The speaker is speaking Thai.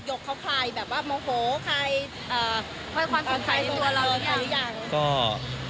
ยกเขาใครแบบว่าโมโหใครให้ความสุขใจตัวเราใครอย่าง